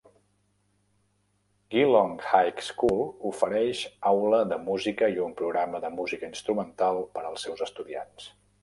Geelong High School ofereix aula de música i un programa de música instrumental per als seus estudiants.